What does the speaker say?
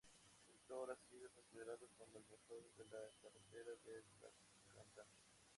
El tour ha sido considerado como el mejor de la carrera de la cantante.